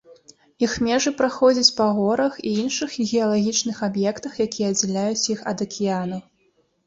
Іх межы праходзяць па горах і іншых геалагічных аб'ектах, якія аддзяляюць іх ад акіянаў.